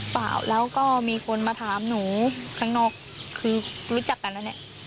เปล่าแล้วก็มีคนมาถามหนูข้างนอกคือรู้จักกันแล้วเนี่ย